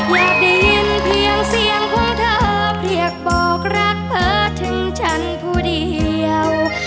อยากได้ยินเพียงเสียงของเธอเพียงบอกรักเธอถึงฉันผู้เดียว